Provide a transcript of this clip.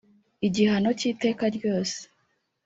igihano cy iteka ryose